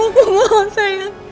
aku butuh waktu elsa